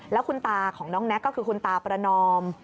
แล้วคุณตาของน้องแน็กก็คือคุณตาประนอม